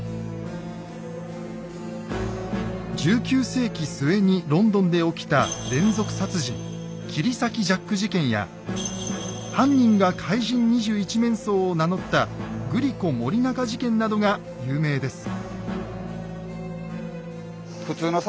１９世紀末にロンドンで起きた連続殺人切り裂きジャック事件や犯人が「かい人２１面相」を名乗ったグリコ・森永事件などが有名です。